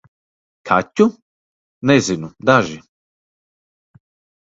Kaķu? Nezinu - daži.